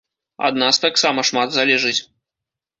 Ад нас таксама шмат залежыць.